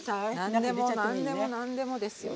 何でも何でも何でもですよ。